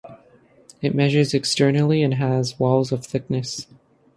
It measures externally and has walls of thickness.